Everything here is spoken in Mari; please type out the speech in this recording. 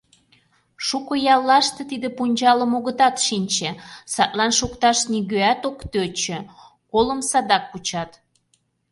Шуко яллаште тиде пунчалым огытат шинче, садлан шукташ нигӧат ок тӧчӧ, колым садак кучат.